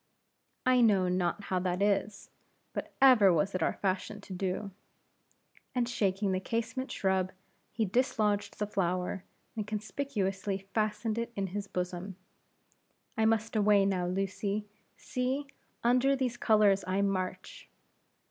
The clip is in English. "I know not how that is, but ever was it our fashion to do." And shaking the casement shrub, he dislodged the flower, and conspicuously fastened it in his bosom. "I must away now, Lucy; see! under these colors I march."